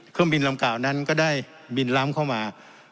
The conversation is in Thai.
เครื่องบินลำกล่าวนั้นก็ได้บินล้ำเข้ามา